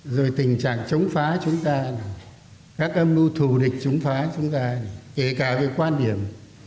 rồi tình trạng chống phá chúng ta các âm mưu thù địch chống phá chúng ta kể cả về quan điểm